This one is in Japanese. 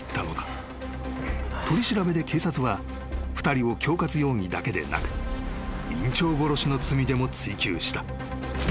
［取り調べで警察は２人を恐喝容疑だけでなく院長殺しの罪でも追及した］